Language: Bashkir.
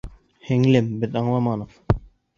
Һеңлем, беҙ аңламаныҡ.